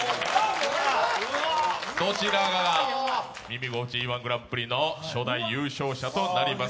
どちらかが「耳心地いい−１グランプリ」の初代優勝者となります。